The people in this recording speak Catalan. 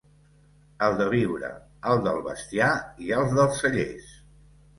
El de viure, el del bestiar i el dels cellers.